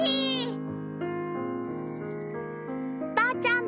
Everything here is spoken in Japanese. ばあちゃん